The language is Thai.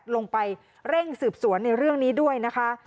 ลงไปเร่งสืบสวนในเรื่องนี้ด้วยนะคะ